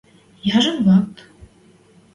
– Яжон вакт!